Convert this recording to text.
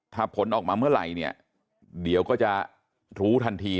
ถ้าผลออกมาเมื่อไหร่เนี่ยเดี๋ยวก็จะรู้ทันที